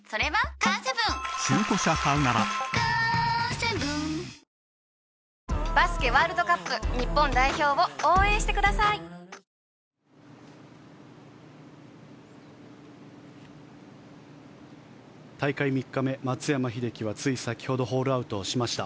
ＳＵＮＴＯＲＹ大会３日目、松山英樹はつい先ほどホールアウトしました。